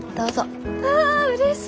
ああっうれしい！